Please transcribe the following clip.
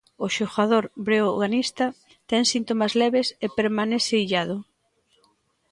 O xogador breoganista ten síntomas leves e permanece illado.